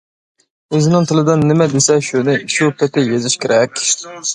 ئۆزىنىڭ تىلىدا نېمە دېسە شۇنى شۇ پېتى يېزىش كېرەك.